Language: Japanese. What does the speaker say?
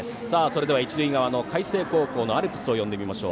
それでは一塁側の海星高校のアルプスです。